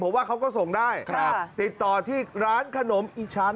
ผมว่าเขาก็ส่งได้ครับติดต่อที่ร้านขนมอีชัน